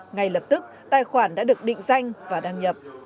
ngay lập tức tài khoản đã được định danh và đăng nhập